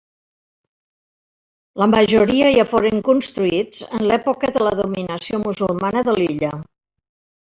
La majoria, ja foren construïts en l'època de la dominació musulmana de l'illa.